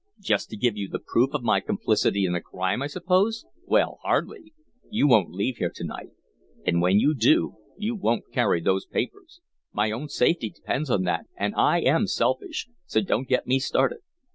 Just to give you the proof of my complicity in a crime, I suppose. Well, hardly. You won't leave here to night. And when you do, you won't carry those papers my own safety depends on that and I am selfish, so don't get me started.